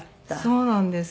そうなんですよ。